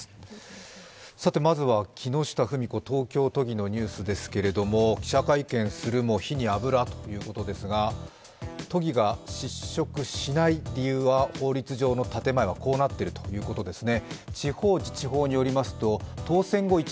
まずは木下富美子東京都議の話ですけれども記者会見をするも火に油ということですが、都議が失職しない理由は法律上の建前はこうなっているということですね。